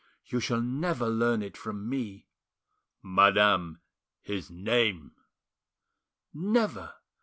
"You shall never learn it from me!" "Madame, his name?" "Never!